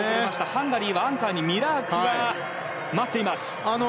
ハンガリーはアンカーにミラークが待っています。